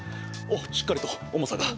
おっしっかりと重さが。